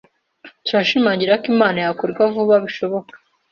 Turashimangira ko inama yakorwa vuba bishoboka.